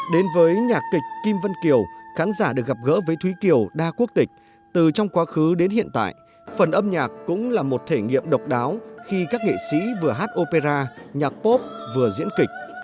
đến với nhạc kịch kim vân kiều khán giả được gặp gỡ với thúy kiều đa quốc tịch từ trong quá khứ đến hiện tại phần âm nhạc cũng là một thể nghiệm độc đáo khi các nghệ sĩ vừa hát opera nhạc pop vừa diễn kịch